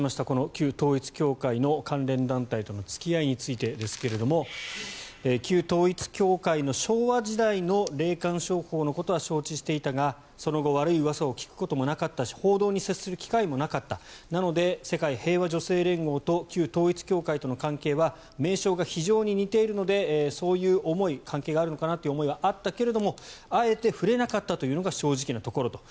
旧統一教会の関連団体との付き合いについてですが旧統一教会の昭和時代の霊感商法のことは承知していたがその後、悪いうわさを聞くこともなかったし報道に接する機会もなかったなので、世界平和女性連合と旧統一教会との関係は名称が非常に似ているのでそういう思い関係があるのかなという思いはあったけれどもあえて触れなかったというのが正直なところと。